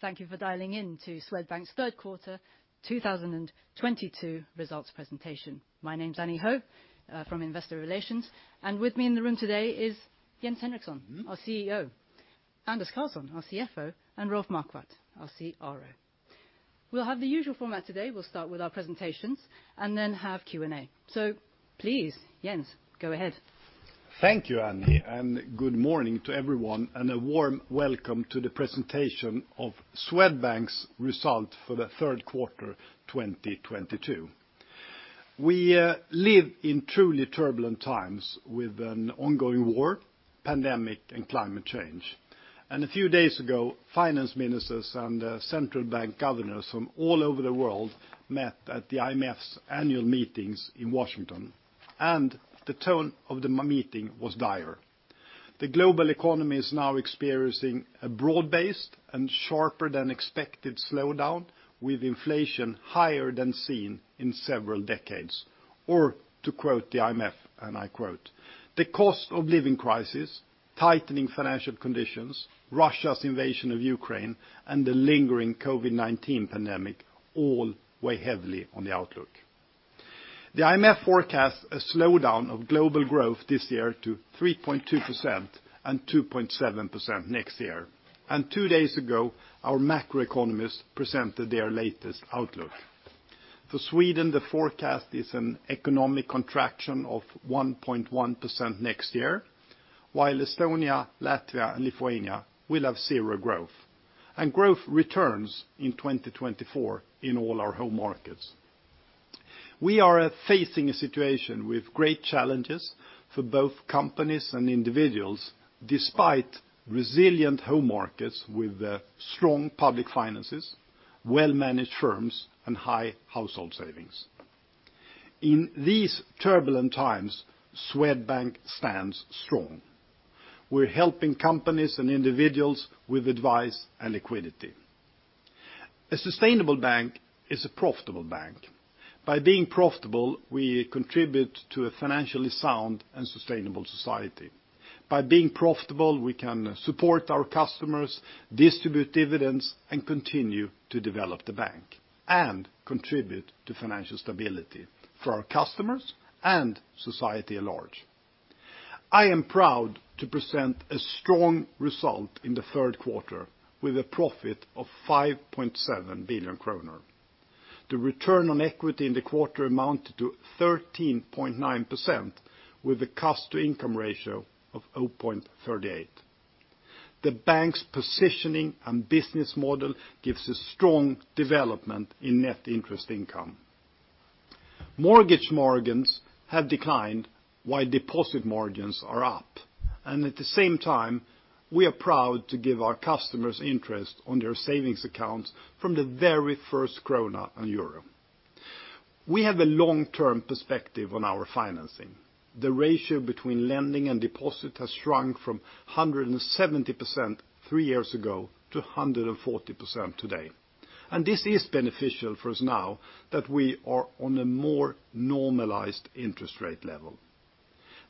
Thank you for dialing in to Swedbank's third quarter 2022 results presentation. My name's Annie Ho from Investor Relations, and with me in the room today is Jens Henriksson, our CEO, Anders Karlsson, our CFO, and Rolf Marquardt, our CRO. We'll have the usual format today. We'll start with our presentations and then have Q&A. Please, Jens, go ahead.mat Thank you, Annie, and good morning to everyone, and a warm welcome to the presentation of Swedbank's results for the third quarter 2022. We live in truly turbulent times with an ongoing war, pandemic, and climate change. A few days ago, finance ministers and central bank governors from all over the world met at the IMF's annual meetings in Washington, and the tone of the meeting was dire. The global economy is now experiencing a broad-based and sharper than expected slowdown with inflation higher than seen in several decades. To quote the IMF, and I quote, "The cost of living crisis, tightening financial conditions, Russia's invasion of Ukraine, and the lingering COVID-19 pandemic all weigh heavily on the outlook." The IMF forecasts a slowdown of global growth this year to 3.2% and 2.7% next year. Two days ago, our macroeconomists presented their latest outlook. For Sweden, the forecast is an economic contraction of 1.1% next year, while Estonia, Latvia, and Lithuania will have 0% growth. Growth returns in 2024 in all our home markets. We are facing a situation with great challenges for both companies and individuals despite resilient home markets with strong public finances, well-managed firms, and high household savings. In these turbulent times, Swedbank stands strong. We're helping companies and individuals with advice and liquidity. A sustainable bank is a profitable bank. By being profitable, we contribute to a financially sound and sustainable society. By being profitable, we can support our customers, distribute dividends, and continue to develop the bank and contribute to financial stability for our customers and society at large. I am proud to present a strong result in the third quarter with a profit of 5.7 billion kronor. The return on equity in the quarter amounted to 13.9% with a cost-to-income ratio of 0.38. The bank's positioning and business model gives a strong development in net interest income. Mortgage margins have declined while deposit margins are up. At the same time, we are proud to give our customers interest on their savings accounts from the very first krona and euro. We have a long-term perspective on our financing. The ratio between lending and deposit has shrunk from 170% three years ago to 140% today. This is beneficial for us now that we are on a more normalized interest rate level.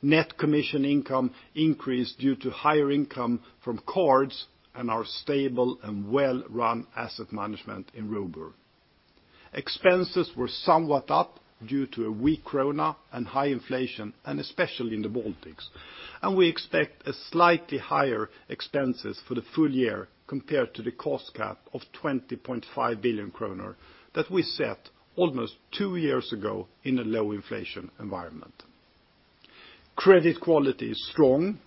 Net commission income increased due to higher income from cards and our stable and well-run asset management in Robur. Expenses were somewhat up due to a weak krona and high inflation, and especially in the Baltics. We expect a slightly higher expenses for the full year compared to the cost cap of 20.5 billion kronor that we set almost two years ago in a low inflation environment. Credit quality is strong,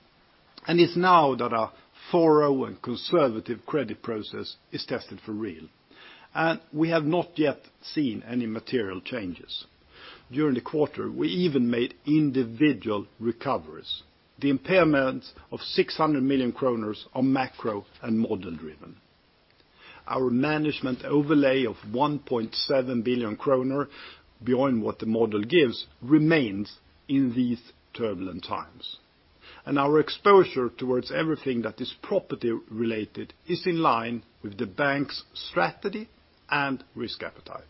and it's now that our thorough and conservative credit process is tested for real. We have not yet seen any material changes. During the quarter, we even made individual recoveries. The impairments of 600 million kronor are macro and model driven. Our management overlay of 1.7 billion kronor beyond what the model gives remains in these turbulent times. Our exposure towards everything that is property related is in line with the bank's strategy and risk appetite.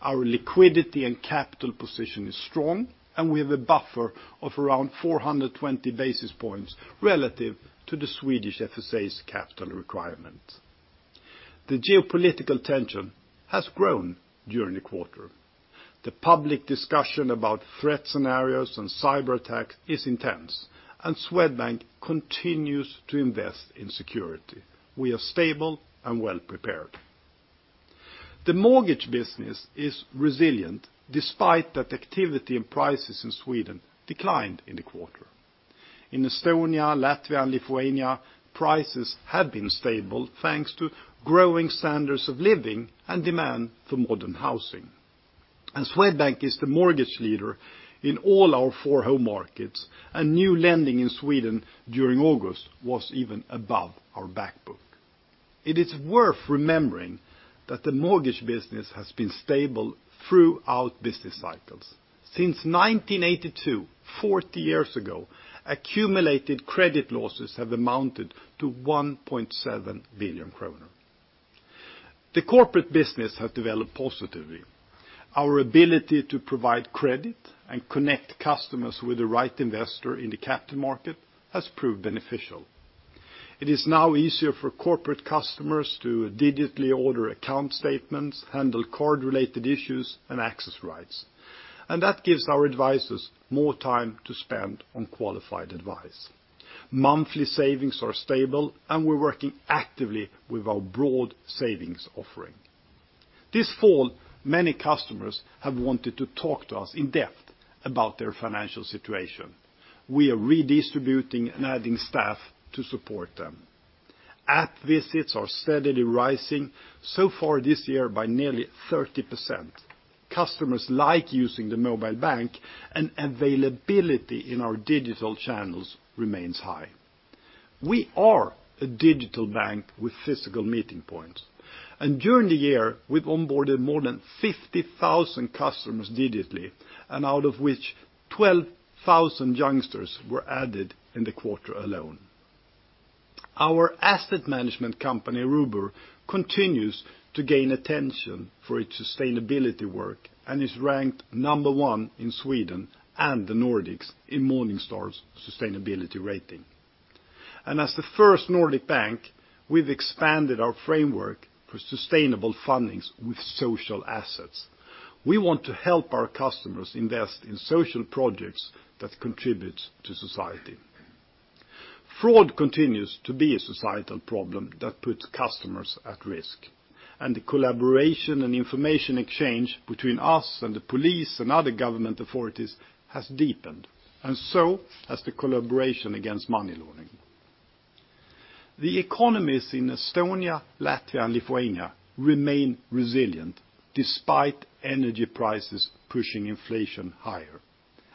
Our liquidity and capital position is strong, and we have a buffer of around 420 basis points relative to the Swedish FSA's capital requirement. The geopolitical tension has grown during the quarter. The public discussion about threat scenarios and cyberattacks is intense, and Swedbank continues to invest in security. We are stable and well prepared. The mortgage business is resilient despite that activity and prices in Sweden declined in the quarter. In Estonia, Latvia, and Lithuania, prices have been stable thanks to growing standards of living and demand for modern housing. Swedbank is the mortgage leader in all our four home markets, and new lending in Sweden during August was even above our back book. It is worth remembering that the mortgage business has been stable throughout business cycles. Since 1982, 40 years ago, accumulated credit losses have amounted to 1.7 billion kronor. The corporate business has developed positively. Our ability to provide credit and connect customers with the right investor in the capital market has proved beneficial. It is now easier for corporate customers to digitally order account statements, handle card-related issues, and access rights, and that gives our advisors more time to spend on qualified advice. Monthly savings are stable, and we're working actively with our broad savings offering. This fall, many customers have wanted to talk to us in depth about their financial situation. We are redistributing and adding staff to support them. App visits are steadily rising, so far this year by nearly 30%. Customers like using the mobile bank, and availability in our digital channels remains high. We are a digital bank with physical meeting points. During the year, we've onboarded more than 50,000 customers digitally, and out of which 12,000 youngsters were added in the quarter alone. Our asset management company, Robur, continues to gain attention for its sustainability work and is ranked number one in Sweden and the Nordics in Morningstar's sustainability rating. As the first Nordic bank, we've expanded our framework for sustainable funding with social assets. We want to help our customers invest in social projects that contribute to society. Fraud continues to be a societal problem that puts customers at risk, and the collaboration and information exchange between us and the police and other government authorities has deepened, and so has the collaboration against money laundering. The economies in Estonia, Latvia, and Lithuania remain resilient despite energy prices pushing inflation higher.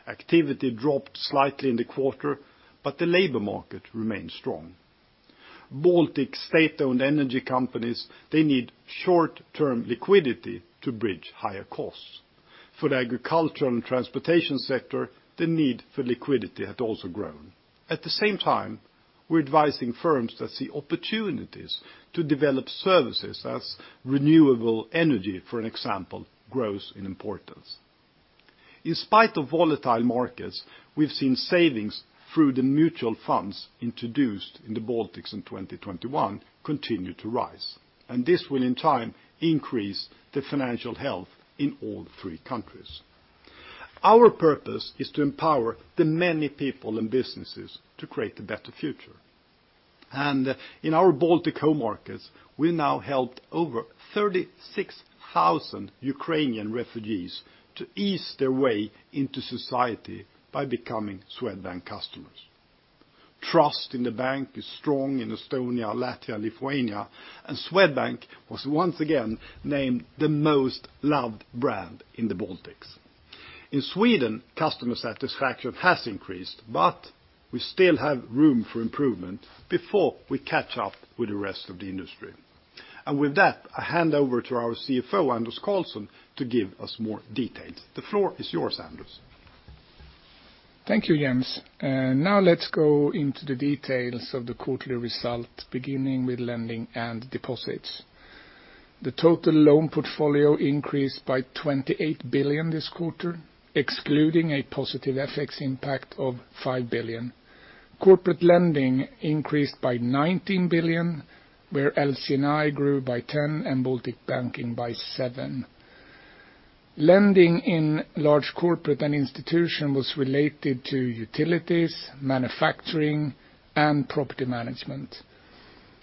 Activity dropped slightly in the quarter, but the labor market remains strong. Baltic state-owned energy companies, they need short-term liquidity to bridge higher costs. For the agricultural and transportation sector, the need for liquidity has also grown. At the same time, we're advising firms that see opportunities to develop services as renewable energy, for example, grows in importance. In spite of volatile markets, we've seen savings through the mutual funds introduced in the Baltics in 2021 continue to rise, and this will in time increase the financial health in all three countries. Our purpose is to empower the many people and businesses to create a better future. In our Baltic home markets, we now helped over 36,000 Ukrainian refugees to ease their way into society by becoming Swedbank customers. Trust in the bank is strong in Estonia, Latvia, and Lithuania, and Swedbank was once again named the most loved brand in the Baltics. In Sweden, customer satisfaction has increased, but we still have room for improvement before we catch up with the rest of the industry. With that, I hand over to our CFO, Anders Karlsson, to give us more details. The floor is yours, Anders. Thank you, Jens. Now let's go into the details of the quarterly result, beginning with lending and deposits. The total loan portfolio increased by 28 billion this quarter, excluding a positive FX impact of 5 billion. Corporate lending increased by 19 billion, where LC&I grew by 10 billion and Baltic Banking by 7 billion. Lending in Large Corporates & Institutions was related to utilities, manufacturing, and property management.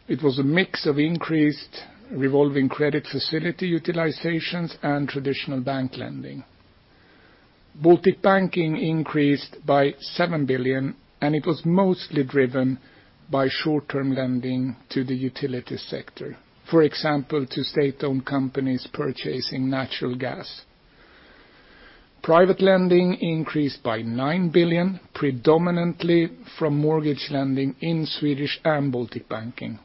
It was a mix of increased revolving credit facility utilizations and traditional bank lending. Baltic Banking increased by 7 billion, and it was mostly driven by short-term lending to the utility sector, for example, to state-owned companies purchasing natural gas. Private lending increased by 9 billion, predominantly from mortgage lending in Swedish and Baltic Banking.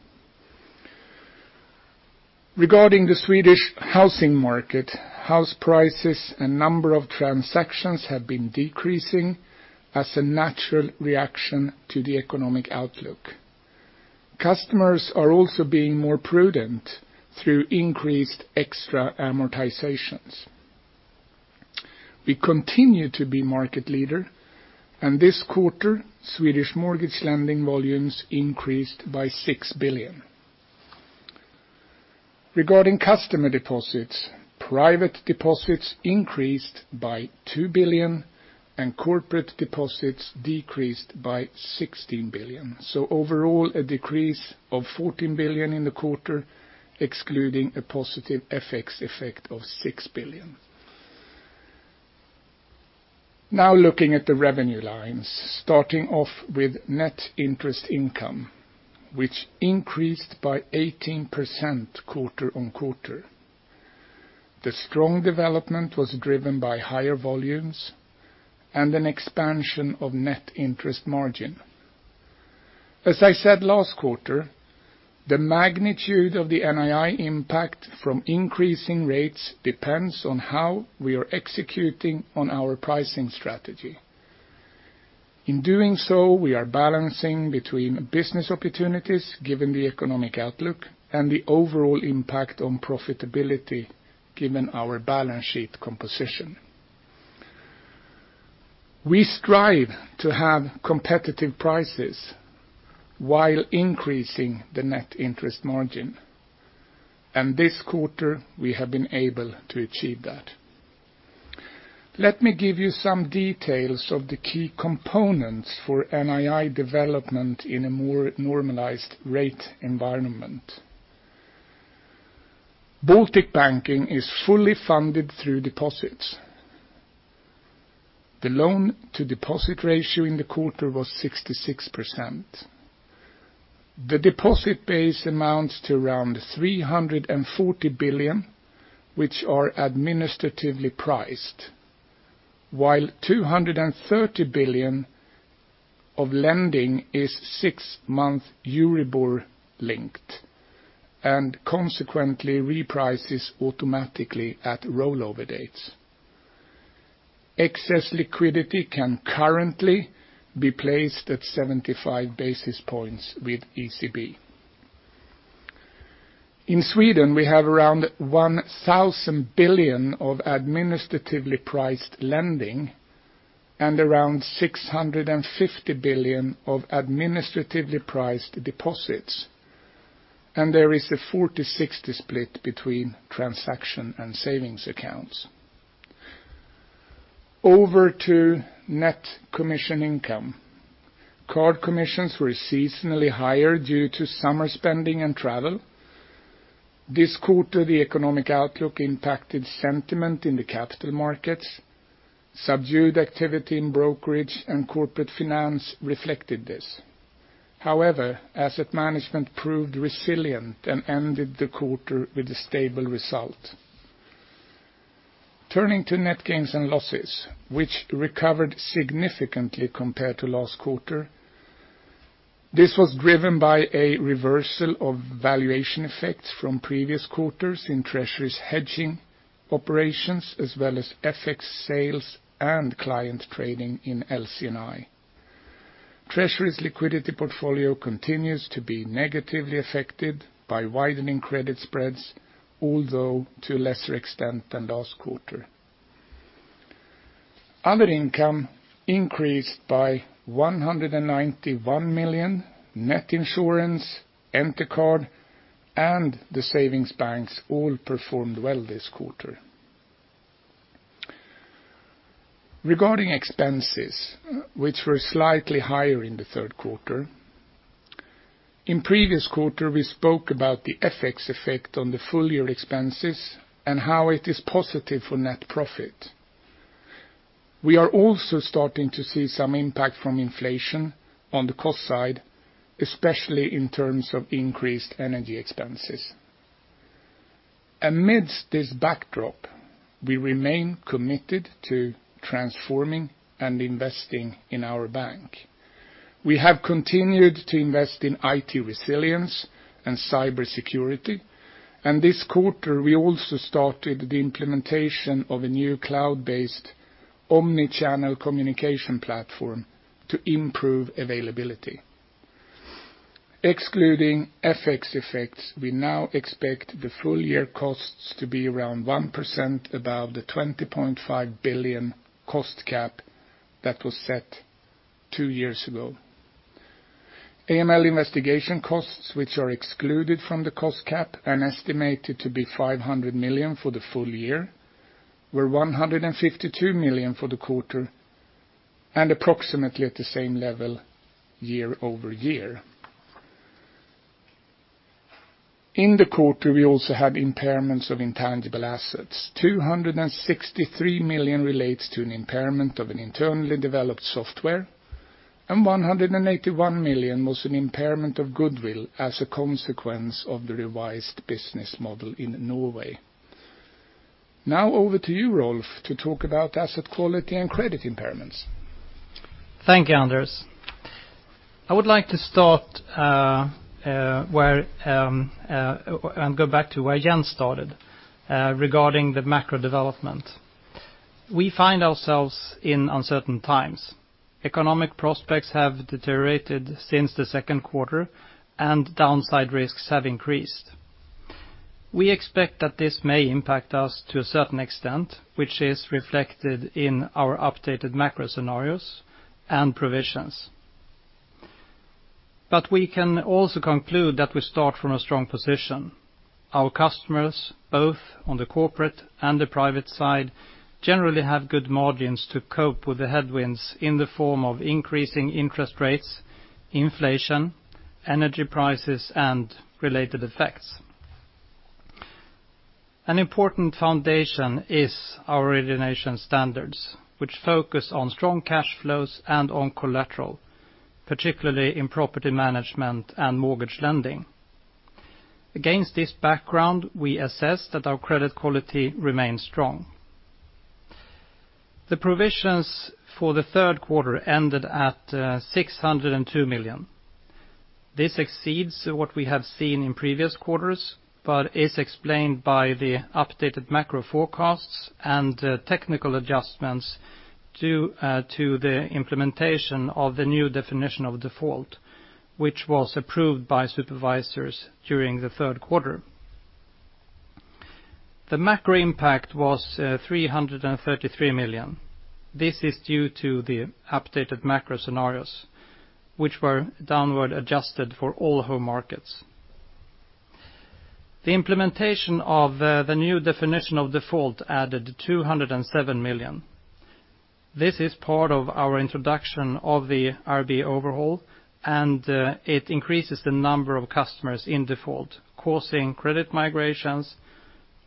Regarding the Swedish housing market, house prices and number of transactions have been decreasing as a natural reaction to the economic outlook. Customers are also being more prudent through increased extra amortizations. We continue to be market leader, and this quarter, Swedish mortgage lending volumes increased by 6 billion. Regarding customer deposits, private deposits increased by 2 billion, and corporate deposits decreased by 16 billion. Overall, a decrease of 14 billion in the quarter, excluding a positive FX effect of 6 billion. Now looking at the revenue lines, starting off with net interest income, which increased by 18% quarter-on-quarter. The strong development was driven by higher volumes and an expansion of net interest margin. As I said last quarter, the magnitude of the NII impact from increasing rates depends on how we are executing on our pricing strategy. In doing so, we are balancing between business opportunities given the economic outlook and the overall impact on profitability given our balance sheet composition. We strive to have competitive prices while increasing the net interest margin. This quarter, we have been able to achieve that. Let me give you some details of the key components for NII development in a more normalized rate environment. Baltic Banking is fully funded through deposits. The loan to deposit ratio in the quarter was 66%. The deposit base amounts to around 340 billion, which are administratively priced. While 230 billion of lending is six-month Euribor-linked and consequently reprices automatically at rollover dates. Excess liquidity can currently be placed at 75 basis points with ECB. In Sweden, we have around 1,000 billion of administratively priced lending and around 650 billion of administratively priced deposits. There is a 40-60 split between transaction and savings accounts. Over to net commission income. Card commissions were seasonally higher due to summer spending and travel. This quarter, the economic outlook impacted sentiment in the capital markets. Subdued activity in brokerage and corporate finance reflected this. However, asset management proved resilient and ended the quarter with a stable result. Turning to net gains and losses, which recovered significantly compared to last quarter. This was driven by a reversal of valuation effects from previous quarters in Treasury's hedging operations as well as FX sales and client trading in LC&I. Treasury's liquidity portfolio continues to be negatively affected by widening credit spreads, although to a lesser extent than last quarter. Other income increased by 191 million. Net Insurance, Entercard, and the Savings Banks all performed well this quarter. Regarding expenses, which were slightly higher in the third quarter. In previous quarter, we spoke about the FX effect on the full year expenses and how it is positive for net profit. We are also starting to see some impact from inflation on the cost side, especially in terms of increased energy expenses. Amidst this backdrop, we remain committed to transforming and investing in our bank. We have continued to invest in IT resilience and cybersecurity. This quarter, we also started the implementation of a new cloud-based omni-channel communication platform to improve availability. Excluding FX effects, we now expect the full year costs to be around 1% above the 20.5 billion cost cap that was set two years ago. AML investigation costs which are excluded from the cost cap are estimated to be 500 million for the full year, were 152 million for the quarter, and approximately at the same level year over year. In the quarter, we also had impairments of intangible assets. 263 million relates to an impairment of an internally developed software, and 181 million was an impairment of goodwill as a consequence of the revised business model in Norway. Now over to you, Rolf, to talk about asset quality and credit impairments. Thank you, Anders. I would like to start and go back to where Jens started regarding the macro development. We find ourselves in uncertain times. Economic prospects have deteriorated since the second quarter, and downside risks have increased. We expect that this may impact us to a certain extent, which is reflected in our updated macro scenarios and provisions. We can also conclude that we start from a strong position. Our customers, both on the corporate and the private side, generally have good margins to cope with the headwinds in the form of increasing interest rates, inflation, energy prices, and related effects. An important foundation is our origination standards, which focus on strong cash flows and on collateral, particularly in property management and mortgage lending. Against this background, we assess that our credit quality remains strong. The provisions for the third quarter ended at 602 million. This exceeds what we have seen in previous quarters, but is explained by the updated macro forecasts and technical adjustments due to the implementation of the new definition of default, which was approved by supervisors during the third quarter. The macro impact was 333 million. This is due to the updated macro scenarios which were downward adjusted for all home markets. The implementation of the new definition of default added 207 million. This is part of our introduction of the IRB overhaul, and it increases the number of customers in default, causing credit migrations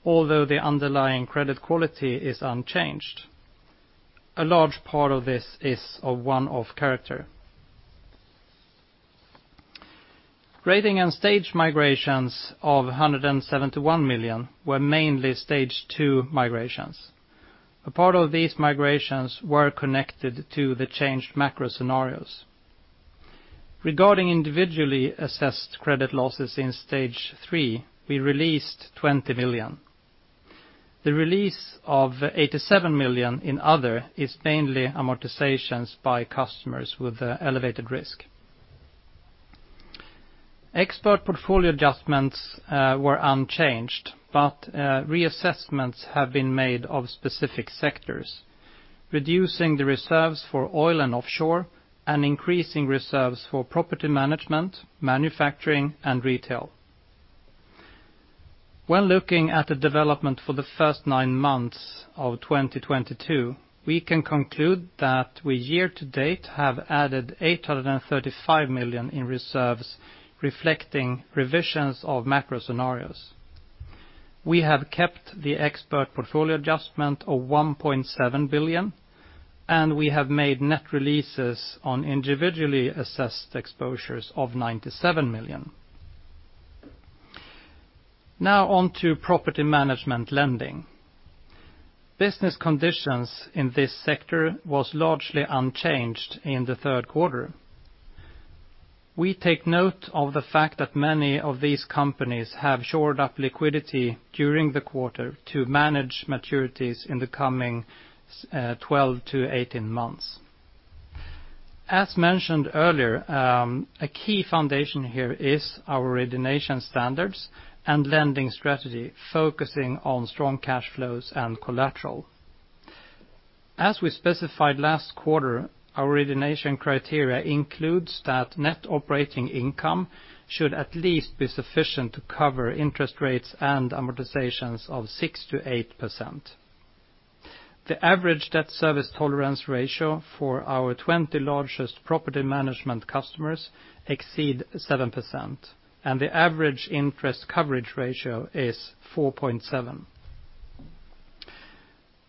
although the underlying credit quality is unchanged. A large part of this is of one-off character. Rating and stage migrations of 171 million were mainly stage two migrations. A part of these migrations were connected to the changed macro scenarios. Regarding individually assessed credit losses in stage three, we released 20 million. The release of 87 million in other is mainly amortizations by customers with elevated risk. Expert portfolio adjustments were unchanged, but reassessments have been made of specific sectors, reducing the reserves for oil and offshore and increasing reserves for property management, manufacturing, and retail. When looking at the development for the first nine months of 2022, we can conclude that we year to date have added 835 million in reserves reflecting revisions of macro scenarios. We have kept the expert portfolio adjustment of 1.7 billion, and we have made net releases on individually assessed exposures of 97 million. Now on to property management lending. Business conditions in this sector was largely unchanged in the third quarter. We take note of the fact that many of these companies have shored up liquidity during the quarter to manage maturities in the coming 12-18 months. As mentioned earlier, a key foundation here is our origination standards and lending strategy focusing on strong cash flows and collateral. As we specified last quarter, our origination criteria includes that net operating income should at least be sufficient to cover interest rates and amortizations of 6%-8%. The average debt service coverage ratio for our 20 largest property management customers exceed 7%, and the average interest coverage ratio is 4.7.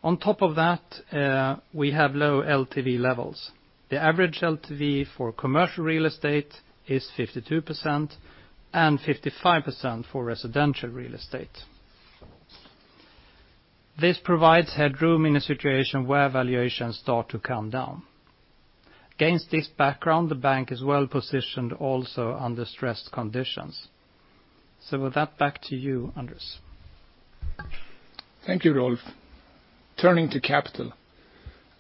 On top of that, we have low LTV levels. The average LTV for commercial real estate is 52% and 55% for residential real estate. This provides headroom in a situation where valuations start to come down. Against this background, the bank is well-positioned also under stressed conditions. With that, back to you, Anders. Thank you, Rolf. Turning to capital.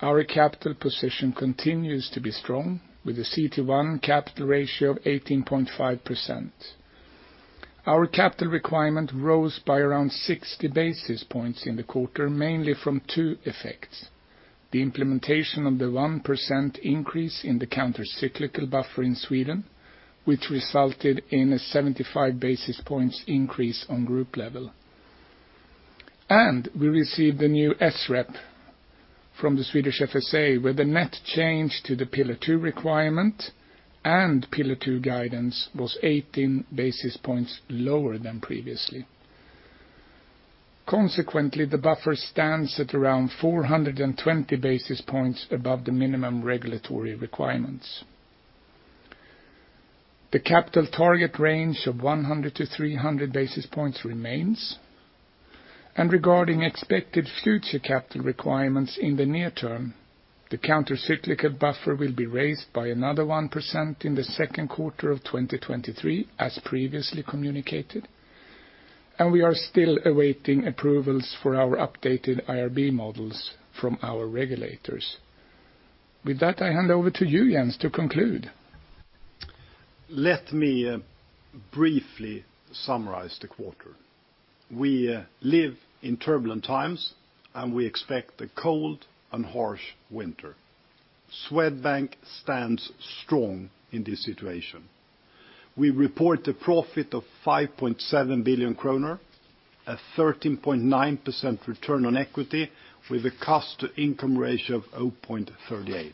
Our capital position continues to be strong with a CET1 capital ratio of 18.5%. Our capital requirement rose by around 60 basis points in the quarter, mainly from two effects. The implementation of the 1% increase in the countercyclical buffer in Sweden, which resulted in a 75 basis points increase on group level. We received a new SREP from the Swedish FSA where the net change to the Pillar 2 requirement and Pillar 2 guidance was 18 basis points lower than previously. Consequently, the buffer stands at around 420 basis points above the minimum regulatory requirements. The capital target range of 100-300 basis points remains. Regarding expected future capital requirements in the near term, the countercyclical buffer will be raised by another 1% in the second quarter of 2023 as previously communicated. We are still awaiting approvals for our updated IRB models from our regulators. With that, I hand over to you, Jens, to conclude. Let me briefly summarize the quarter. We live in turbulent times, and we expect a cold and harsh winter. Swedbank stands strong in this situation. We report a profit of 5.7 billion kronor, a 13.9% return on equity with a cost-to-income ratio of 0.38.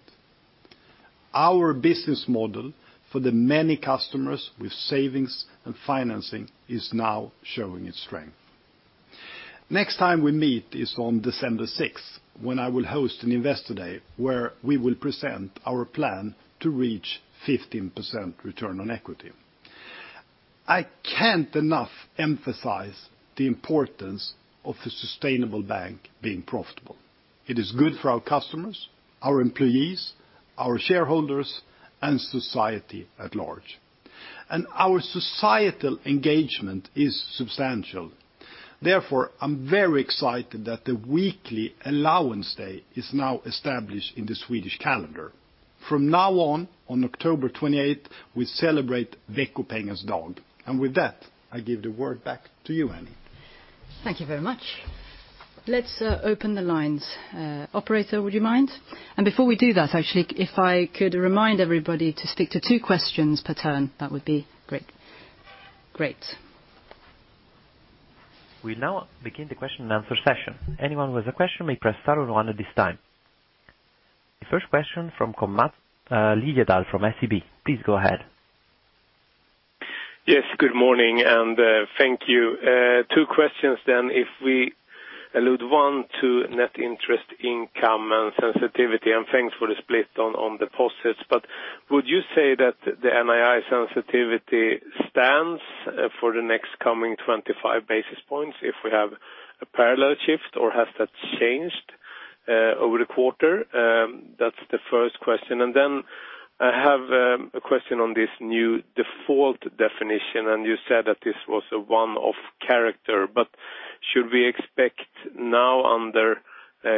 Our business model for the many customers with savings and financing is now showing its strength. Next time we meet is on December sixth when I will host an investor day where we will present our plan to reach 15% return on equity. I can't emphasize enough the importance of the sustainable bank being profitable. It is good for our customers, our employees, our shareholders, and society at large. Our societal engagement is substantial. Therefore, I'm very excited that the weekly allowance day is now established in the Swedish calendar. From now on October 28, we celebrate Veckopengens dag. With that, I give the word back to you, Annie. Thank you very much. Let's open the lines. Operator, would you mind? Before we do that, actually, if I could remind everybody to speak to two questions per turn, that would be great. Great. We now begin the question-and-answer session. Anyone with a question may press star one at this time. The first question from [Mats Liss] from SEB. Please go ahead. Yes, good morning, and thank you. Two questions. If we allude one to net interest income and sensitivity, and thanks for the split on deposits. Would you say that the NII sensitivity stands for the next coming 25 basis points if we have a parallel shift or has that changed over the quarter? That's the first question. I have a question on this new default definition, and you said that this was a one-off character. Should we expect now under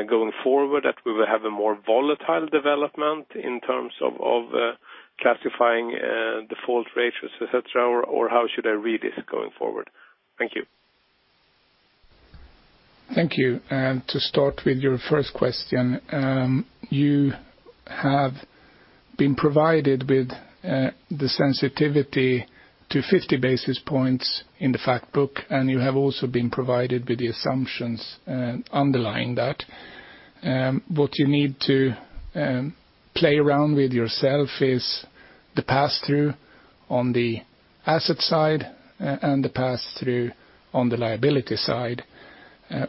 going forward that we will have a more volatile development in terms of classifying default ratios, et cetera, or how should I read this going forward? Thank you. Thank you. To start with your first question, you have been provided with the sensitivity to 50 basis points in the fact book, and you have also been provided with the assumptions underlying that. What you need to play around with yourself is the pass-through on the asset side and the pass-through on the liability side.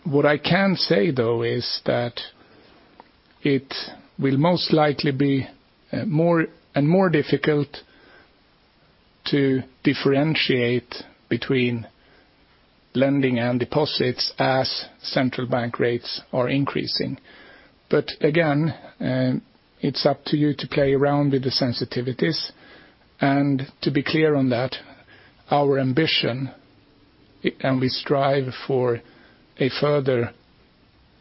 What I can say though is that it will most likely be more and more difficult to differentiate between lending and deposits as central bank rates are increasing. Again, it's up to you to play around with the sensitivities. To be clear on that, our ambition and we strive for a further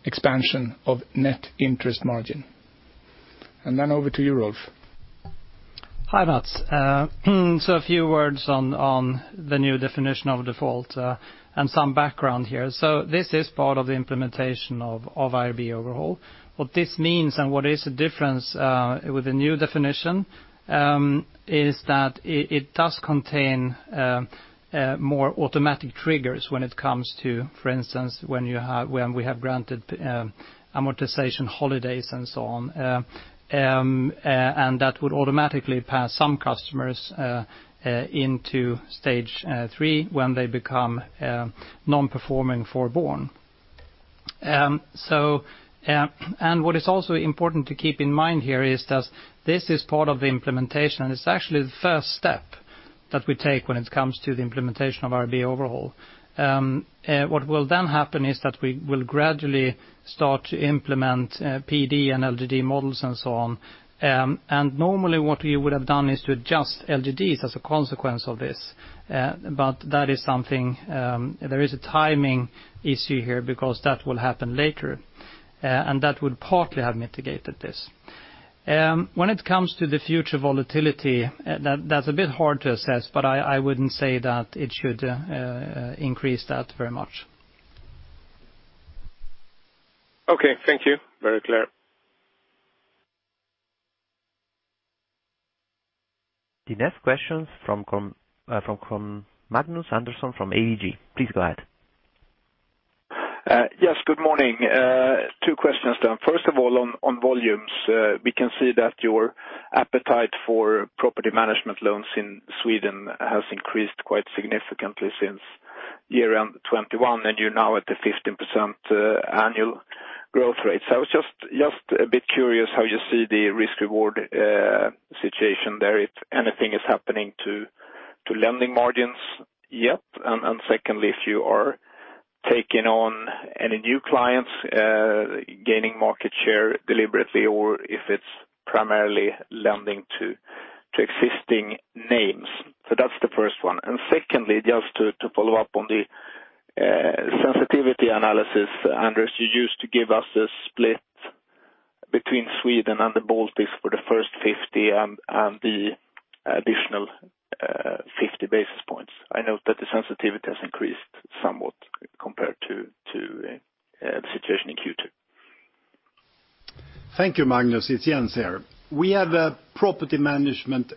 expansion of net interest margin. Over to you, Rolf. Hi, Mats. A few words on the new definition of default and some background here. This is part of the implementation of IRB overhaul. What this means and what is the difference with the new definition is that it does contain more automatic triggers when it comes to, for instance, when we have granted amortization holidays and so on. That would automatically pass some customers into stage three when they become non-performing forborne. What is also important to keep in mind here is that this is part of the implementation, and it's actually the first step that we take when it comes to the implementation of IRB overhaul. What will then happen is that we will gradually start to implement PD and LGD models and so on. Normally what we would have done is to adjust LGDs as a consequence of this. That is something, there is a timing issue here because that will happen later, and that would partly have mitigated this. When it comes to the future volatility, that's a bit hard to assess, but I wouldn't say that it should increase that very much. Okay, thank you. Very clear. The next question from Magnus Andersson from ABG. Please go ahead. Yes, good morning. Two questions. First of all, on volumes, we can see that your appetite for property management loans in Sweden has increased quite significantly since year-end 2021, and you're now at the 15% annual growth rate. I was just a bit curious how you see the risk/reward situation there, if anything is happening to lending margins yet. Secondly, if you are taking on any new clients, gaining market share deliberately, or if it's primarily lending to existing names. That's the first one. Secondly, just to follow up on the sensitivity analysis, Anders, you used to give us a split between Sweden and the Baltics for the first 50 and the additional 50 basis points. I know that the sensitivity has increased somewhat compared to the situation in Q2. Thank you, Magnus. It's Jens here. We have a property management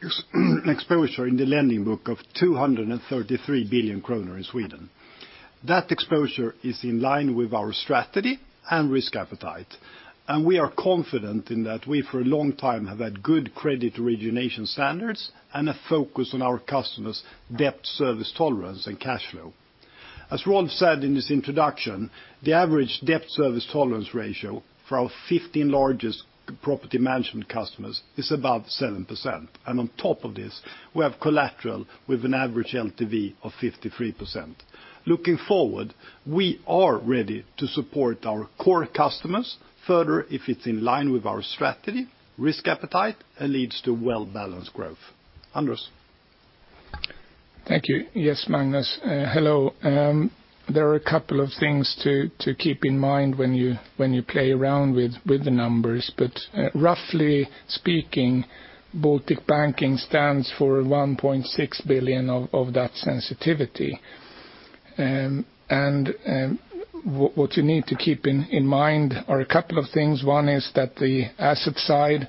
exposure in the lending book of 233 billion kronor in Sweden. That exposure is in line with our strategy and risk appetite, and we are confident in that we for a long time have had good credit origination standards and a focus on our customers' debt service tolerance and cash flow. As Rolf said in his introduction, the average debt service coverage ratio for our 15 largest property management customers is about 7%, and on top of this, we have collateral with an average LTV of 53%. Looking forward, we are ready to support our core customers further if it's in line with our strategy, risk appetite, and leads to well-balanced growth. Anders? Thank you. Yes, Magnus, hello. There are a couple of things to keep in mind when you play around with the numbers, but roughly speaking, Baltic Banking stands for 1.6 billion of that sensitivity. What you need to keep in mind are a couple of things. One is that the asset side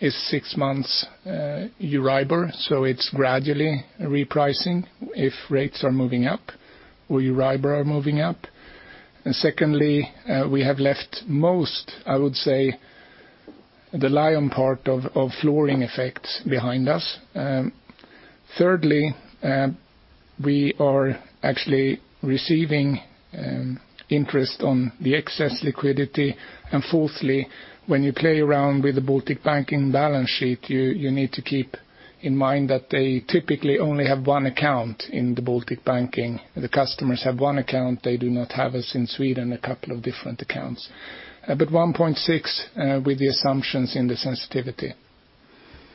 is six months Euribor, so it's gradually repricing if rates are moving up or Euribor are moving up. Secondly, we have left most, I would say, the lion part of flooring effects behind us. Thirdly, we are actually receiving interest on the excess liquidity. Fourthly, when you play around with the Baltic Banking balance sheet, you need to keep in mind that they typically only have one account in the Baltic Banking. The customers have one account. They do not have, as in Sweden, a couple of different accounts. And at 1.6, with the assumptions in the sensitivity.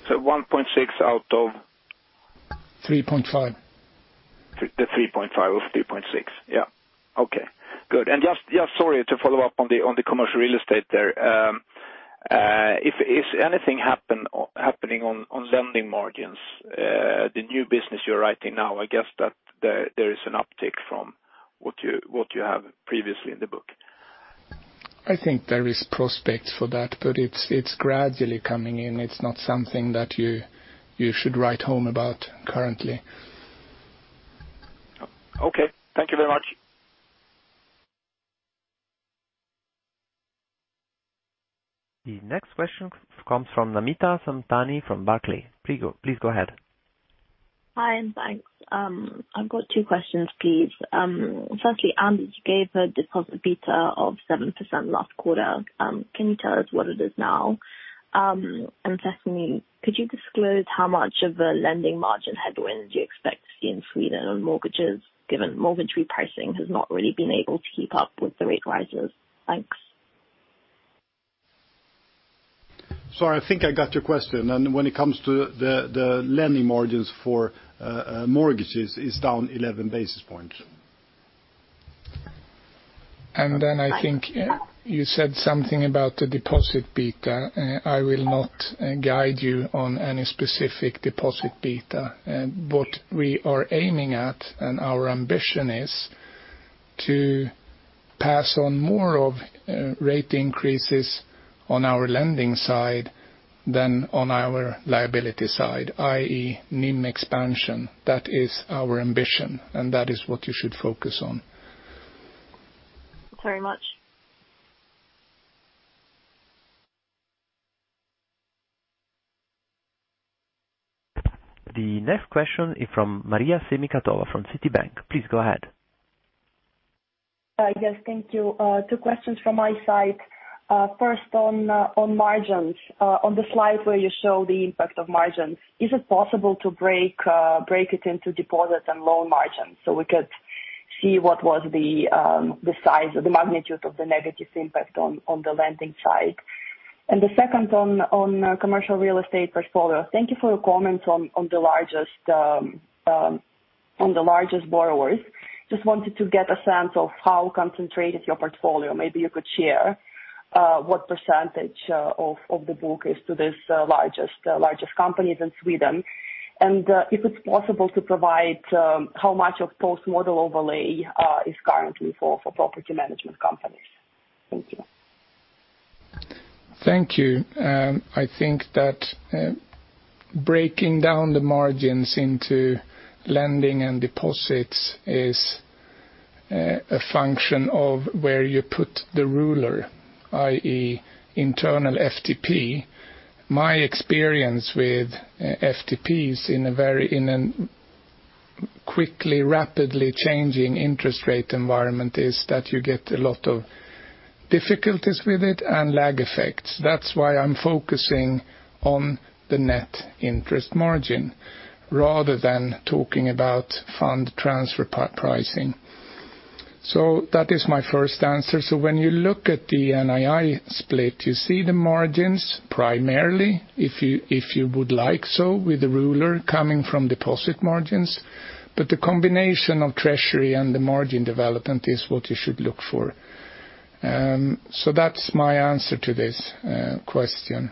1.6 out of? 3.5. The 3.5 of 3.6. Yeah. Okay, good. Just, yeah, sorry, to follow up on the commercial real estate there. If anything happening on lending margins, the new business you're writing now, I guess that there is an uptick from what you have previously in the book. I think there is prospects for that, but it's gradually coming in. It's not something that you should write home about currently. Okay. Thank you very much. The next question comes from Namita Samtani from Barclays. Please go ahead. Hi, thanks. I've got two questions, please. Firstly, Anders gave a deposit beta of 7% last quarter. Can you tell us what it is now? And secondly, could you disclose how much of a lending margin headwind you expect to see in Sweden on mortgages, given mortgage repricing has not really been able to keep up with the rate rises? Thanks. I think I got your question. When it comes to the lending margins for mortgages, it's down 11 basis points. I think you said something about the deposit beta. I will not guide you on any specific deposit beta. What we are aiming at and our ambition is to pass on more of rate increases on our lending side than on our liability side, i.e. NIM expansion. That is our ambition, and that is what you should focus on. Thanks very much. The next question is from Maria Semikhatova from Citi. Please go ahead. Yes. Thank you. Two questions from my side. First on margins. On the slide where you show the impact of margins, is it possible to break it into deposits and loan margins so we could see what was the size or the magnitude of the negative impact on the lending side? The second on commercial real estate portfolio. Thank you for your comments on the largest borrowers. Just wanted to get a sense of how concentrated your portfolio. Maybe you could share what percentage of the book is to this largest companies in Sweden. If it's possible to provide how much of post-model overlay is currently for property management companies. Thank you. Thank you. I think that breaking down the margins into lending and deposits is a function of where you put the ruler, i.e. internal FTP. My experience with FTPs in a quickly, rapidly changing interest rate environment is that you get a lot of difficulties with it and lag effects. That's why I'm focusing on the net interest margin rather than talking about fund transfer pricing. That is my first answer. When you look at the NII split, you see the margins primarily if you would like so with the ruler coming from deposit margins. The combination of treasury and the margin development is what you should look for. That's my answer to this question.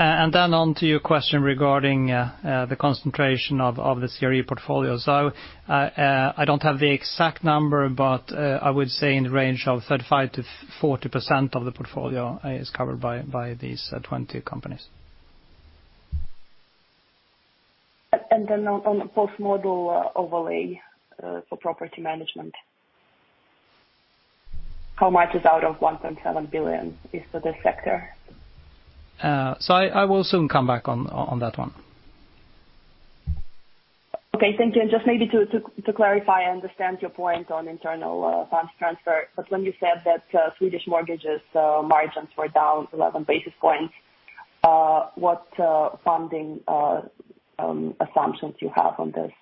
On to your question regarding the concentration of the CRE portfolio. I don't have the exact number, but I would say in the range of 35%-40% of the portfolio is covered by these 20 companies. On post-model overlay for property management. How much is out of 1.7 billion is for this sector? I will soon come back on that one. Okay, thank you. Just maybe to clarify, I understand your point on internal funds transfer, but when you said that, Swedish mortgages margins were down 11 basis points, what funding assumptions you have on this?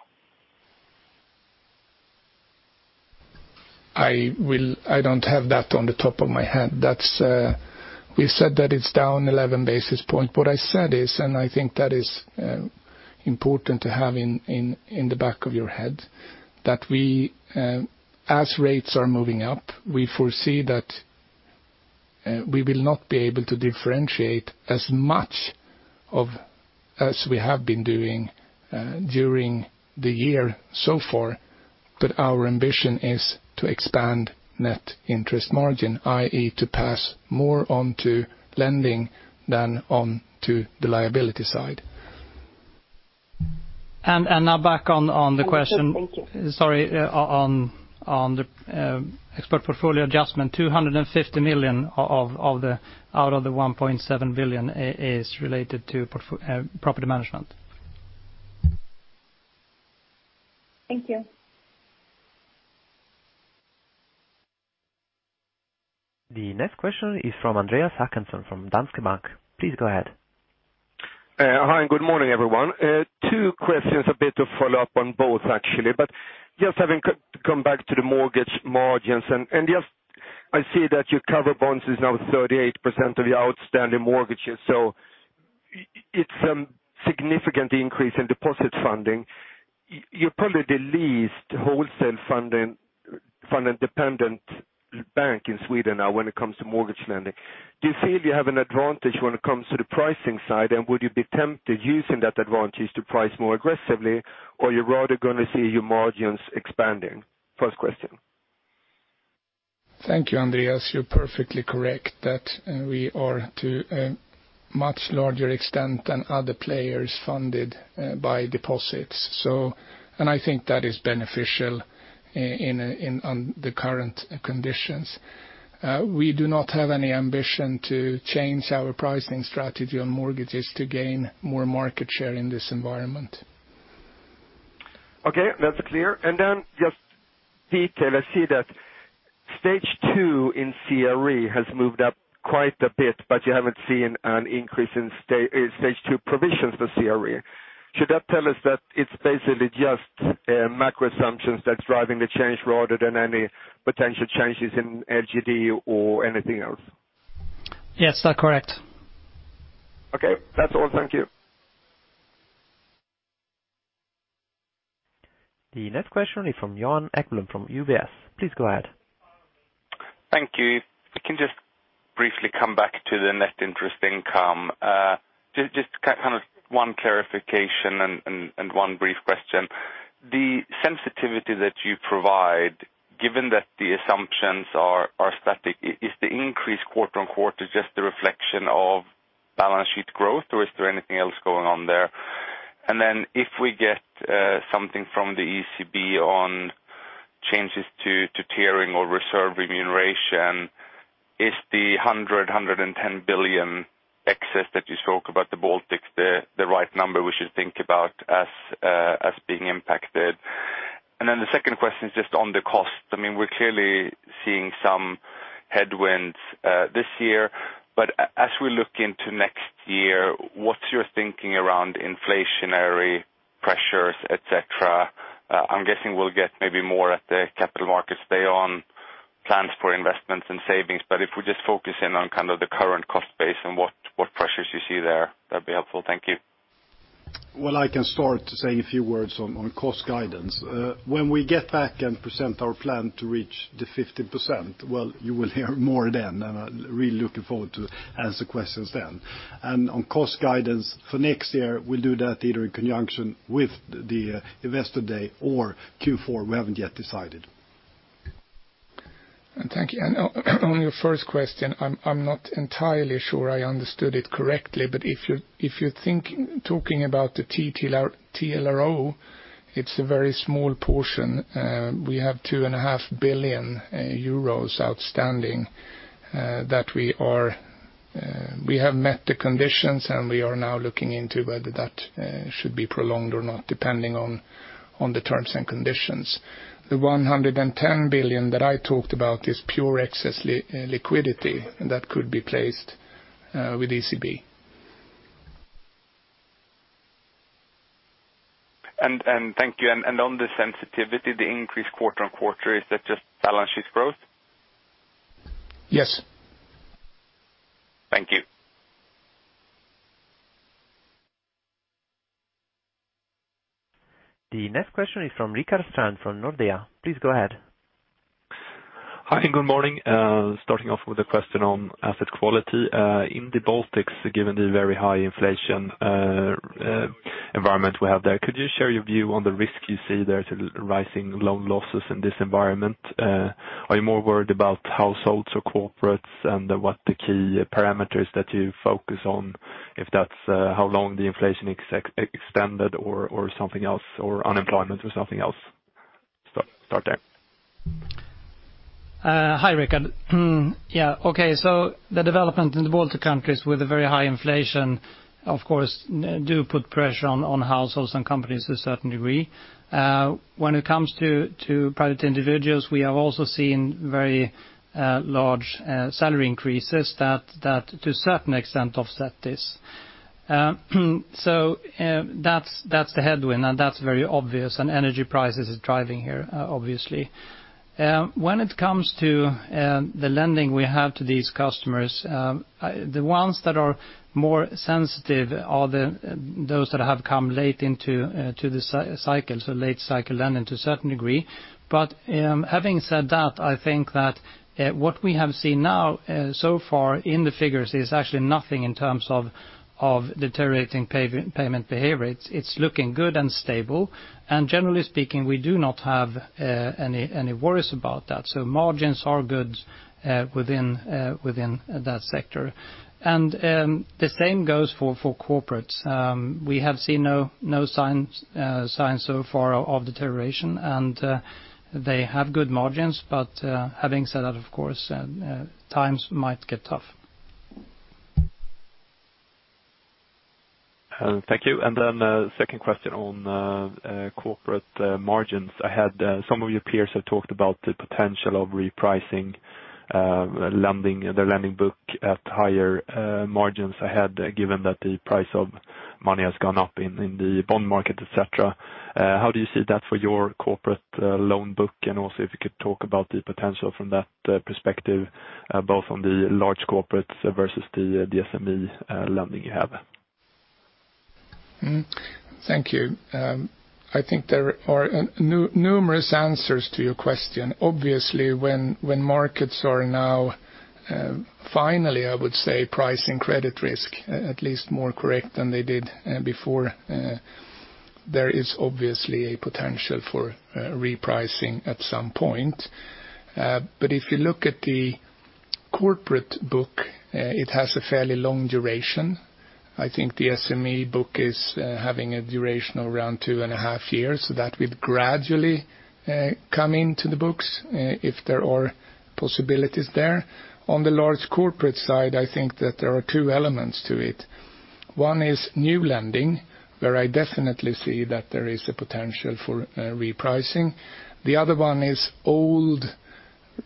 I don't have that on the top of my head. That's. We said that it's down 11 basis points. What I said is, I think that is important to have in the back of your head, that we, as rates are moving up, we foresee that, we will not be able to differentiate as much as we have been doing during the year so far, but our ambition is to expand net interest margin, i.e., to pass more on to lending than on to the liability side. Now back on the question. Okay, thank you. Sorry. On the expert portfolio adjustment, 250 million out of the 1.7 billion is related to property management. Thank you. The next question is from Andreas Håkansson from Danske Bank. Please go ahead. Hi, good morning, everyone. Two questions, a bit of follow-up on both actually, just having come back to the mortgage margins and just I see that your covered bonds is now 38% of your outstanding mortgages, so it's a significant increase in deposit funding. You're probably the least wholesale funding-dependent bank in Sweden now when it comes to mortgage lending. Do you feel you have an advantage when it comes to the pricing side? And would you be tempted using that advantage to price more aggressively, or you're rather gonna see your margins expanding? First question. Thank you, Andreas. You're perfectly correct that we are to a much larger extent than other players funded by deposits. I think that is beneficial in the current conditions. We do not have any ambition to change our pricing strategy on mortgages to gain more market share in this environment. Okay, that's clear. Just detail, I see that stage two in CRE has moved up quite a bit, but you haven't seen an increase in stage two provisions for CRE. Should that tell us that it's basically just macro assumptions that's driving the change rather than any potential changes in LGD or anything else? Yes, that's correct. Okay, that's all. Thank you. The next question is from Johan Ekblom from UBS. Please go ahead. Thank you. If I can just briefly come back to the net interest income. Just kind of one clarification and one brief question. The sensitivity that you provide, given that the assumptions are static, is the increase quarter-on-quarter just a reflection of balance sheet growth, or is there anything else going on there? If we get something from the ECB on changes to tiering or reserve remuneration, is the 110 billion excess that you spoke about the Baltics the right number we should think about as being impacted? The second question is just on the cost. I mean, we're clearly seeing some headwinds this year, but as we look into next year, what's your thinking around inflationary pressures, et cetera? I'm guessing we'll get maybe more at the capital markets day on plans for investments and savings, but if we just focus in on kind of the current cost base and what pressures you see there, that'd be helpful. Thank you. Well, I can start saying a few words on cost guidance. When we get back and present our plan to reach the 50%, you will hear more then. I'm really looking forward to answer questions then. On cost guidance for next year, we'll do that either in conjunction with the Investor Day or Q4. We haven't yet decided. Thank you. On your first question, I'm not entirely sure I understood it correctly. But if you're talking about the TLTRO, it's a very small portion. We have 2.5 billion euros outstanding that we have met the conditions, and we are now looking into whether that should be prolonged or not, depending on the terms and conditions. The 110 billion that I talked about is pure excess liquidity that could be placed with ECB. Thank you. On the sensitivity, the increase quarter-on-quarter, is that just balance sheet growth? Yes. Thank you. The next question is from Rickard Strand from Nordea. Please go ahead. Hi, good morning. Starting off with a question on asset quality. In the Baltics, given the very high inflation environment we have there, could you share your view on the risk you see there to rising loan losses in this environment? Are you more worried about households or corporates, and what the key parameters that you focus on, if that's how long the inflation extended or something else, or unemployment or something else? Start there. Hi, Rickard. The development in the Baltic countries with a very high inflation, of course, do put pressure on households and companies to a certain degree. When it comes to private individuals, we have also seen very large salary increases that to a certain extent offset this. That's the headwind, and that's very obvious, and energy prices is driving here, obviously. When it comes to the lending we have to these customers, the ones that are more sensitive are those that have come late into the cycle, so late cycle lending to a certain degree. Having said that, I think that what we have seen now so far in the figures is actually nothing in terms of deteriorating payment behavior. It's looking good and stable, and generally speaking, we do not have any worries about that. Margins are good within that sector. The same goes for corporates. We have seen no signs so far of deterioration, and they have good margins. Having said that, of course, times might get tough. Thank you. A second question on corporate margins. I had some of your peers have talked about the potential of repricing lending in their lending book at higher margins ahead, given that the price of money has gone up in the bond market, et cetera. How do you see that for your corporate loan book? Also if you could talk about the potential from that perspective both on the large corporates versus the SME lending you have? Mm-hmm. Thank you. I think there are numerous answers to your question. Obviously, when markets are now finally, I would say, pricing credit risk, at least more correct than they did before, there is obviously a potential for repricing at some point. If you look at the corporate book, it has a fairly long duration. I think the SME book is having a duration of around two and a half years, so that will gradually come into the books if there are possibilities there. On the large corporate side, I think that there are two elements to it. One is new lending, where I definitely see that there is a potential for repricing. The other one is old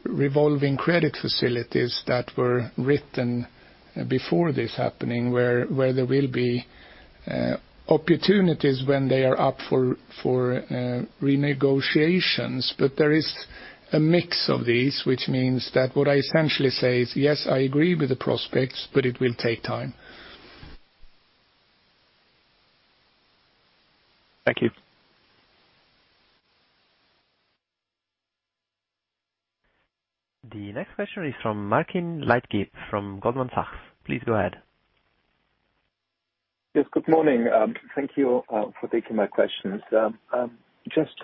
revolving credit facilities that were written before this happening, where there will be opportunities when they are up for renegotiations. There is a mix of these, which means that what I essentially say is, yes, I agree with the prospects, but it will take time. Thank you. The next question is from Martin Leitgeb from Goldman Sachs. Please go ahead. Yes, good morning. Thank you for taking my questions. Just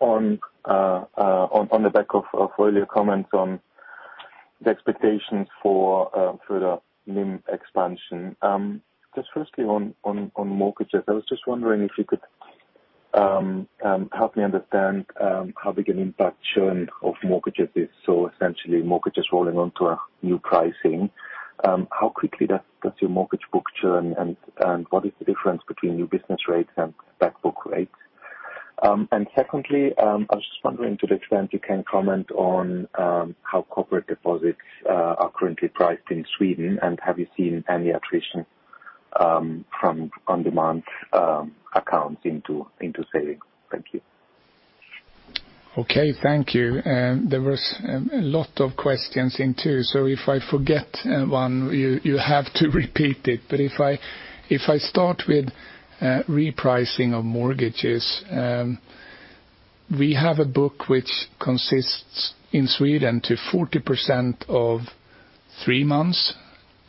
on the back of earlier comments on the expectations for further NIM expansion. Just firstly on mortgages. I was just wondering if you could help me understand how big an impact churn of mortgages is. Essentially, mortgages rolling on to a new pricing. How quickly does your mortgage book churn, and what is the difference between new business rates and back book rates? Secondly, I was just wondering to what extent you can comment on how corporate deposits are currently priced in Sweden, and have you seen any attrition from on-demand accounts into savings? Thank you. Okay, thank you. There was a lot of questions in two. If I forget one, you have to repeat it. If I start with repricing of mortgages, we have a book which consists in Sweden to 40% of three months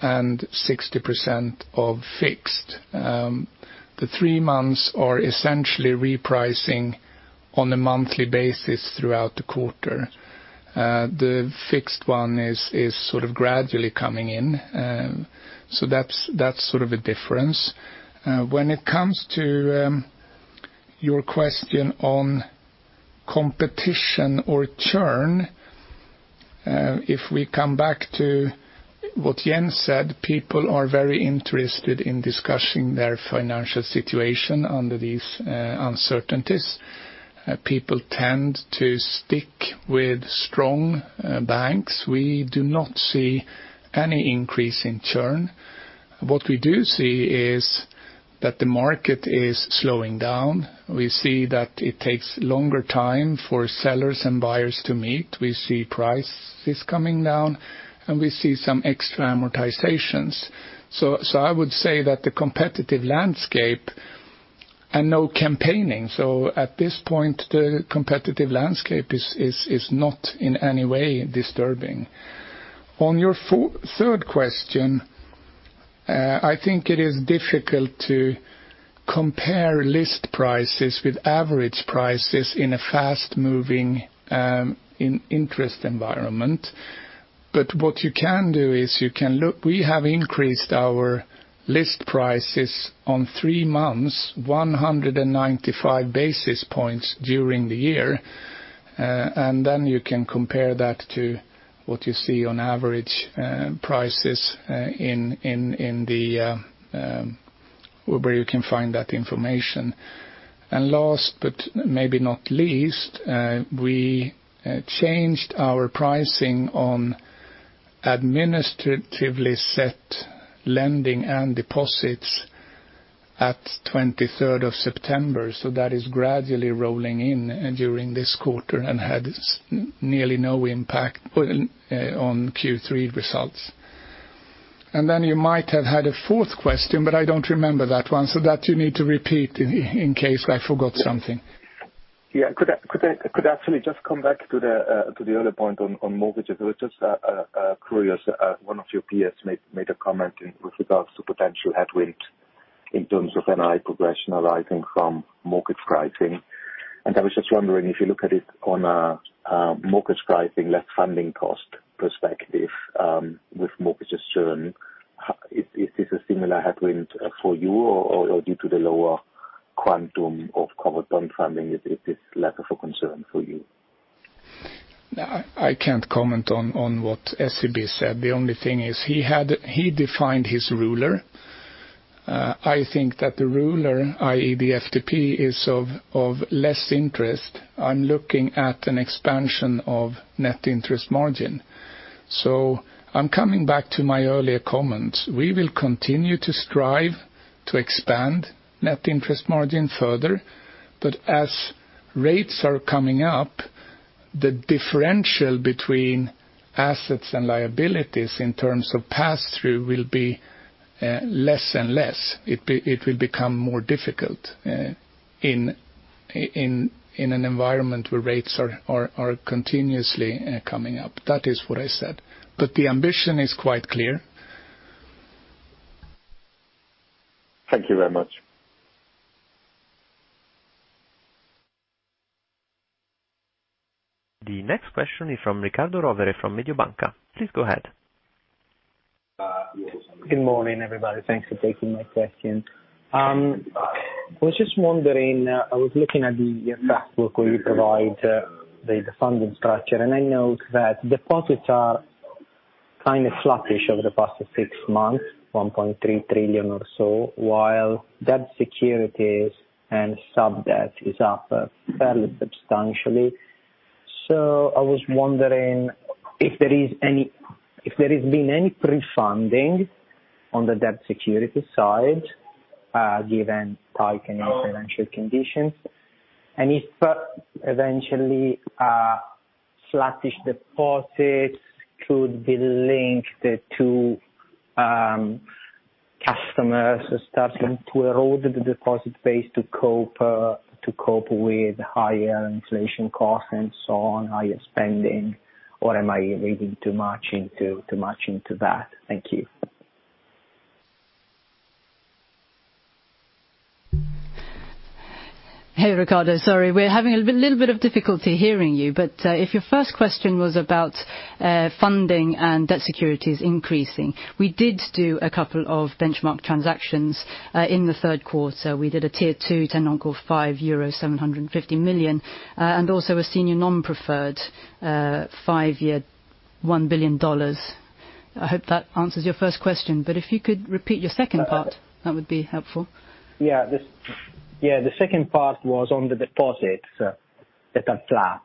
and 60% of fixed. The three months are essentially repricing on a monthly basis throughout the quarter. The fixed one is sort of gradually coming in. That's sort of a difference. When it comes to your question on competition or churn, if we come back to what Jens said, people are very interested in discussing their financial situation under these uncertainties. People tend to stick with strong banks. We do not see any increase in churn. What we do see is that the market is slowing down. We see that it takes longer time for sellers and buyers to meet. We see prices coming down, and we see some extra amortizations. I would say that the competitive landscape and no campaigning. At this point, the competitive landscape is not in any way disturbing. On your third question, I think it is difficult to compare list prices with average prices in a fast-moving in interest environment. What you can do is you can look. We have increased our list prices on three months, 195 basis points during the year. Then you can compare that to what you see on average prices in the where you can find that information. Last but maybe not least, we changed our pricing on administratively set lending and deposits on the twenty-third of September. That is gradually rolling in during this quarter and had nearly no impact on Q3 results. Then you might have had a fourth question, but I don't remember that one, so you need to repeat in case I forgot something. Yeah. Could I actually just come back to the other point on mortgages? I was just curious. One of your peers made a comment with regards to potential headwind in terms of NI progression arising from mortgage pricing. I was just wondering if you look at it on a mortgage pricing less funding cost perspective, with mortgages churn, is this a similar headwind for you or due to the lower quantum of covered bond funding is less of a concern for you? I can't comment on what SEB said. The only thing is he defined his rule. I think that the rule, i.e. the FTP, is of less interest. I'm looking at an expansion of net interest margin. I'm coming back to my earlier comments. We will continue to strive to expand net interest margin further. As rates are coming up, the differential between assets and liabilities in terms of pass-through will be less and less. It will become more difficult in an environment where rates are continuously coming up. That is what I said. The ambition is quite clear. Thank you very much. The next question is from Riccardo Rovere from Mediobanca. Please go ahead. Good morning, everybody. Thanks for taking my question. I was just wondering. I was looking at the fact book where you provide the funding structure, and I know that deposits are kind of flattish over the past six months, 1.3 trillion or so, while debt securities and sub-debt is up fairly substantially. I was wondering if there has been any pre-funding on the debt security side given tightening financial conditions, and if eventually flattish deposits could be linked to customers starting to erode the deposit base to cope with higher inflation costs and so on, higher spending, or am I reading too much into that? Thank you. Hey, Riccardo. Sorry, we're having a little bit of difficulty hearing you. If your first question was about funding and debt securities increasing, we did do a couple of benchmark transactions in the third quarter. We did a tier two 10NC5 750 million, and also a senior non-preferred five-year $1 billion. I hope that answers your first question, but if you could repeat your second part, that would be helpful. The second part was on the deposits that are flat.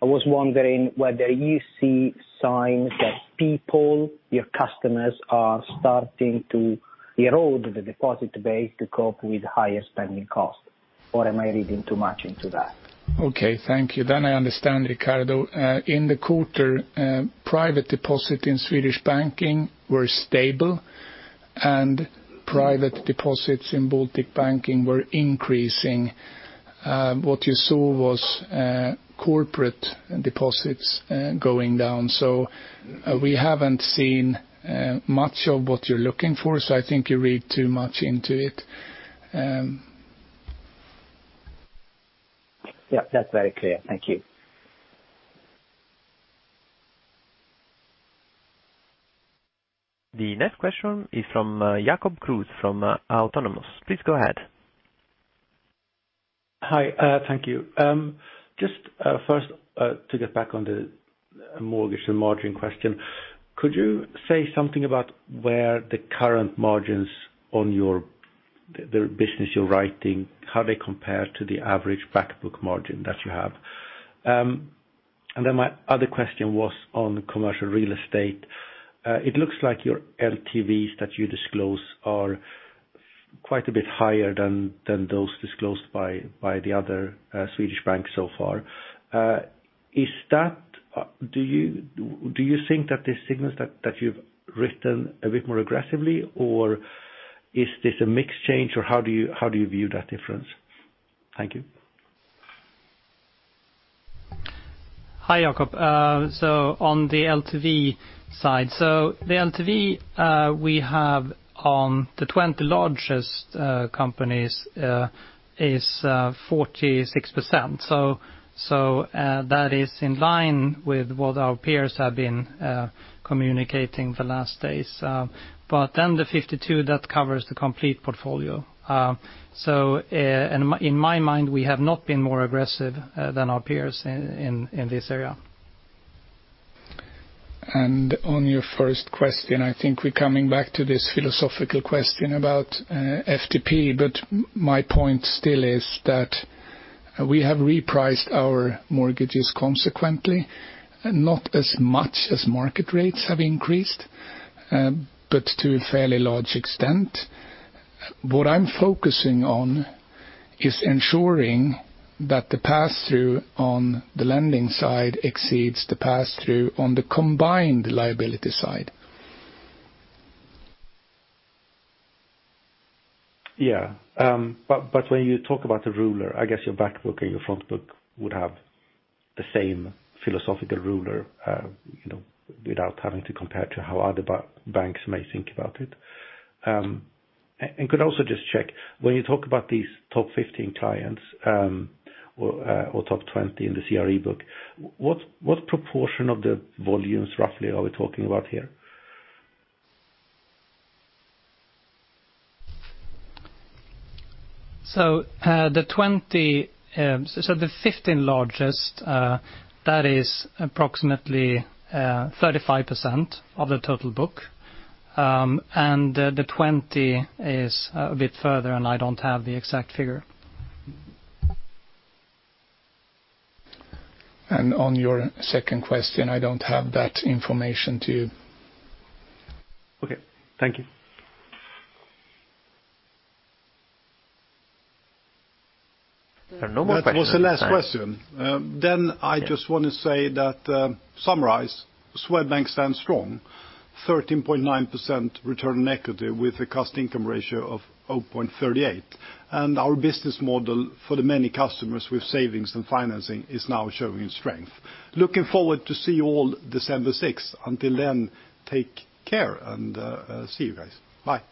I was wondering whether you see signs that people, your customers, are starting to erode the deposit base to cope with higher spending costs, or am I reading too much into that? Okay, thank you. I understand, Riccardo. In the quarter, private deposit in Swedish Banking were stable and private deposits in Baltic Banking were increasing. What you saw was corporate deposits going down. We haven't seen much of what you're looking for, so I think you read too much into it. Yeah, that's very clear. Thank you. The next question is from Jakob Kruse from Autonomous. Please go ahead. Hi. Thank you. Just, first, to get back on the mortgage and margin question, could you say something about where the current margins on your the business you're writing, how they compare to the average back book margin that you have? My other question was on commercial real estate. It looks like your LTVs that you disclose are quite a bit higher than those disclosed by the other Swedish banks so far. Is that, do you think that this signals that you've written a bit more aggressively, or is this a mixed change, or how do you view that difference? Thank you. Hi, Jacob. On the LTV side. The LTV we have on the 20 largest companies is 46%. That is in line with what our peers have been communicating the last days. The 52, that covers the complete portfolio. In my mind, we have not been more aggressive than our peers in this area. On your first question, I think we're coming back to this philosophical question about FTP. My point still is that we have repriced our mortgages consequently, not as much as market rates have increased, but to a fairly large extent. What I'm focusing on is ensuring that the pass-through on the lending side exceeds the pass-through on the combined liability side. When you talk about the rule, I guess your back book and your front book would have the same philosophical rule, you know, without having to compare to how other banks may think about it. Could I also just check, when you talk about these top 15 clients, or top 20 in the CRE book, what proportion of the volumes roughly are we talking about here? The 20, the 15 largest, that is approximately 35% of the total book. The 20 is a bit further, and I don't have the exact figure. On your second question, I don't have that information for you. Okay. Thank you. There are no more questions. That was the last question. Then I just want to say that, summarize, Swedbank stands strong, 13.9% return on equity with a cost-to-income ratio of 0.38. Our business model for the many customers with savings and financing is now showing strength. Looking forward to see you all December sixth. Until then, take care and, see you guys. Bye.